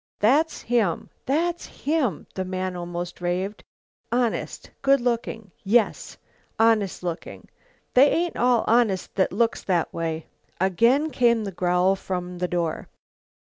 "That's him! That's him!" the man almost raved. "Honest lookin', yes, honest lookin'. They ain't all honest that looks that way." Again came the growl from the door.